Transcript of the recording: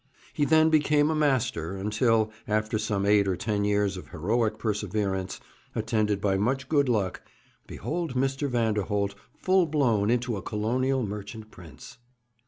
He then became a master, until, after some eight or ten years of heroic perseverance, attended by much good luck, behold Mr. Vanderholt full blown into a colonial merchant prince.